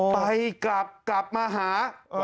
ไปกลับกลับมาหา